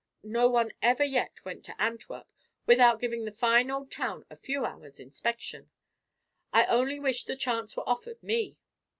No one ever yet went to Antwerp without giving the fine old town a few hours' inspection. I only wish the chance were offered me!